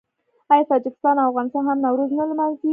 آیا تاجکستان او افغانستان هم نوروز نه لمانځي؟